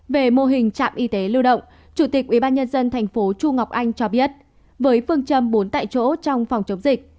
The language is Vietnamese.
về mô hình trạm y tế lưu động chủ tịch ubnd tp chu ngọc anh cho biết với phương châm bốn tại chỗ trong phòng chống dịch